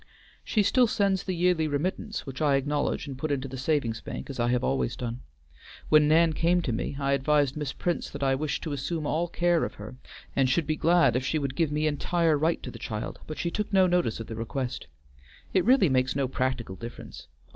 "She still sends the yearly remittance, which I acknowledge and put into the savings bank as I always have done. When Nan came to me I advised Miss Prince that I wished to assume all care of her and should be glad if she would give me entire right to the child, but she took no notice of the request. It really makes no practical difference.